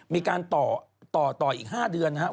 มีการต่อต่อต่ออีก๕เดือนนะครับ